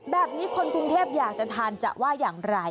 แบบนี้คนกรุงเทพอยากจะทานจะว่าอย่างไร